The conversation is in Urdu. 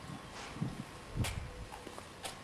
جہاں علامہ اقبال اور قائد اعظم نے اسے چھوڑا تھا۔